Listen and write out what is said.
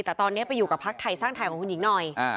แต่ตอนนี้ไปอยู่กับพักไทยสร้างไทยของคุณหญิงหน่อย